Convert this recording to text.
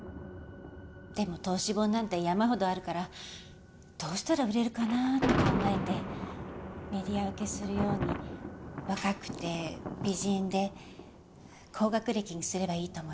でも投資本なんて山ほどあるからどうしたら売れるかなあって考えてメディア受けするように若くて美人で高学歴にすればいいと思いました。